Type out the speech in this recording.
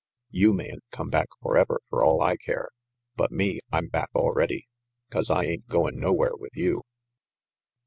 You mayn't come back forever fer all I care; but me, I'm back already. 'Cause I ain't goin* nowhere with you."